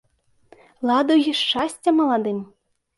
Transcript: Ладу й шчасця маладым!